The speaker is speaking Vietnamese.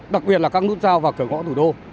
đặc biệt là các nút giao và cửa ngõ thủ đô